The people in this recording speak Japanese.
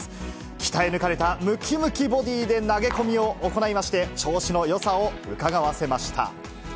鍛え抜かれたむきむきボディーで投げ込みを行いまして、調子のよさをうかがわせました。